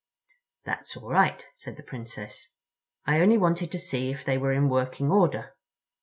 "That's all right," said the Princess. "I only wanted to see if they were in working order."